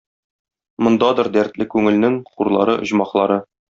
Мондадыр дәртле күңелнең хурлары, оҗмахлары.